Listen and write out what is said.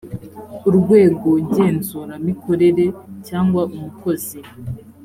urwego ngenzuramikorere cyangwa umukozi